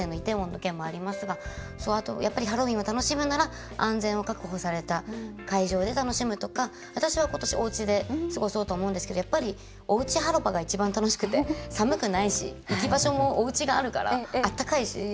イテウォンの件もありますがやっぱりハロウィーンを楽しむなら安全を確保された会場で楽しむとか私は今年、おうちで過ごそうと思うんですけどおうちハロパが一番楽しくて寒くないし、あったかいし。